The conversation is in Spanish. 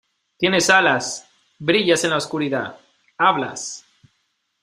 ¡ Tienes alas! ¡ brillas en la oscuridad !¡ hablas !